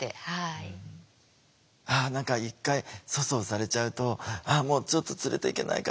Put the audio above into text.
何か一回粗相されちゃうと「もうちょっと連れていけないかな。